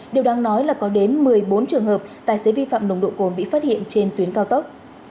điều đáng nói là có đến một mươi bốn trường hợp tài xế vi phạm nồng độ cồn bị phát hiện trên tuyến cao tốc